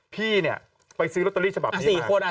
พี่เนี่ยไปซื้อลอตเตอรี่ฉบับนี้